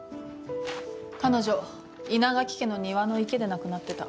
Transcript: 彼女稲垣家の庭の池で亡くなってた。